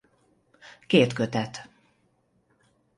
Két kötet.